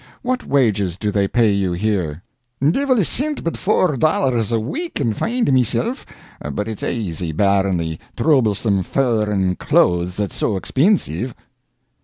What wages do they pay you here?" "Divil a cint but four dollars a week and find meself; but it's aisy, barrin' the troublesome furrin clothes that's so expinsive."